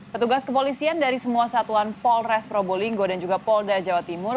petugas kepolisian dari semua satuan polres probolinggo dan juga polda jawa timur